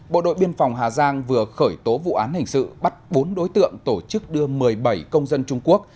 bộ đội biên phòng hà giang vừa khởi tố vụ án hình sự bắt bốn đối tượng tổ chức đưa một mươi bảy công dân trung quốc